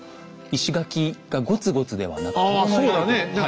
石垣がゴツゴツではなくて。